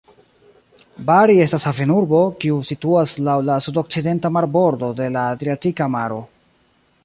Bari estas havenurbo, kiu situas laŭ la sudokcidenta marbordo de la Adriatika Maro.